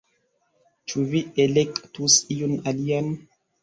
Ĉu vi elektus iun alian